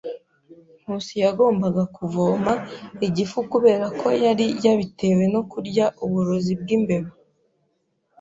Nkusi yagombaga kuvoma igifu kubera ko yari yabitewe no kurya uburozi bwimbeba.